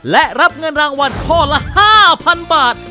และรับเงินรางวัลข้อละ๕๐๐๐บาท